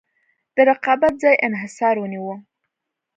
د رقابت ځای انحصار ونیوه.